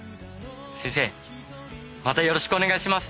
先生またよろしくお願いします！